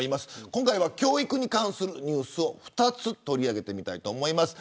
今回は教育に関するニュースを２つ、取り上げてみたいと思います。